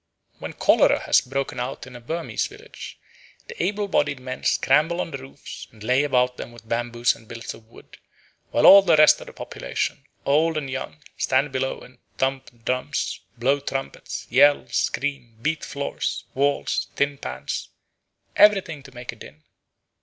When cholera has broken out in a Burmese village the able bodied men scramble on the roofs and lay about them with bamboos and billets of wood, while all the rest of the population, old and young, stand below and thump drums, blow trumpets, yell, scream, beat floors, walls, tin pans, everything to make a din.